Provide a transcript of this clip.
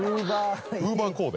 ウーバーコーデ？